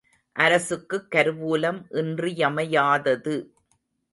அரசுக்குக் கருவூலம் இன்றியமையாதது.